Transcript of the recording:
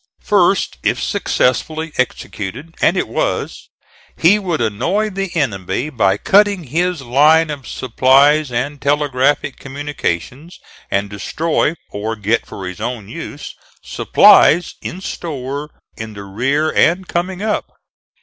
First, if successfully executed, and it was, he would annoy the enemy by cutting his line of supplies and telegraphic communications, and destroy or get for his own use supplies in store in the rear and coming up.